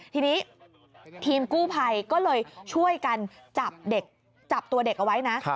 ทีนี้ทีมกู้ภัยก็เลยช่วยกันจับเด็กจับตัวเด็กเอาไว้นะ